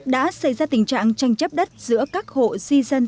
đã xây ra tình trạng tranh chấp đất giữa các hộ di dạy